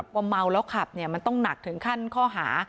ว่าเมาแล้วขับมันต้องหนักถึงขั้นข้อหา